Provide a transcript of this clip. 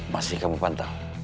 masih kamu pantau